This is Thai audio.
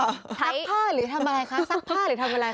ใส่ผ้าหรือทำอะไรคะซักผ้าหรือทำอะไร